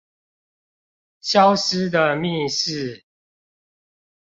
消失的密室